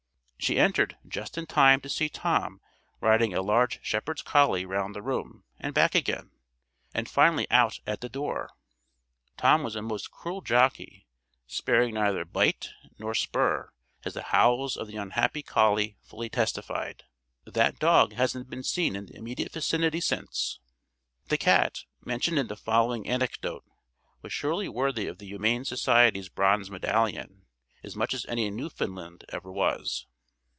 She entered, just in time to see Tom riding a large shepherd's collie round the room, and back again, and finally out at the door. Tom was a most cruel jockey, sparing neither bit(e) nor spur, as the howls of the unhappy collie fully testified. That dog hasn't been seen in the immediate vicinity since. The cat, mentioned in the following anecdote, was surely worthy of the Humane Society's bronze medallion, as much as any Newfoundland ever was.